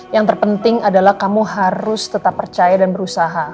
yang terpenting adalah kamu harus tetap percaya dan berusaha